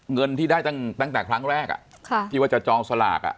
เงินที่ได้ตั้งแต่ครั้งแรกที่ว่าจะจองสลาก